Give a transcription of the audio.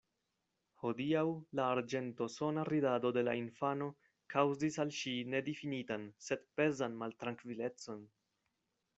Hodiaŭ la arĝentosona ridado de la infano kaŭzis al ŝi nedifinitan, sed pezan maltrankvilecon.